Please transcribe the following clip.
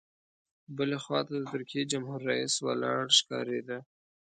بلې خوا ته د ترکیې جمهور رئیس ولاړ ښکارېد.